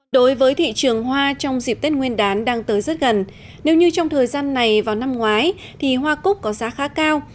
đối với thị trường hoa trong dịp tết nguyên đán đang tới rất gần nếu như trong thời gian này vào năm ngoái thì hoa cúc có giá khá cao